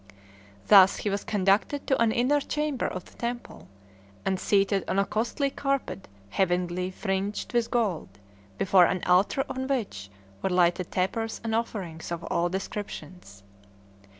Thus he was conducted to an inner chamber of the temple, and seated on a costly carpet heavily fringed with gold, before an altar on which were lighted tapers and offerings of all descriptions.